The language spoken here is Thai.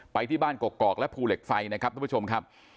ไปที่บ้านกกอกและภูเหล็กไฟนะครับทุกผู้ชมครับ